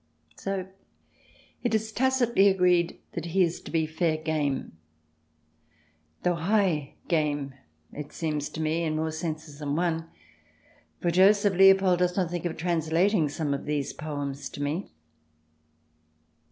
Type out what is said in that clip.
x So it is tacitly agreed that he is to be fair game, though " high " game, it seems to me, in more senses than one, for Joseph Leopold does not think of translating some of these poems to me.